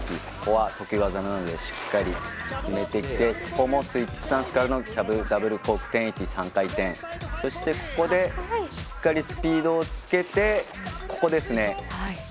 ここは得意技なのでしっかり決めてきてここもスイッチスタンスからのキャブダブルコーク１０８０、３回転そして、ここでしっかりスピードをつけてここですね。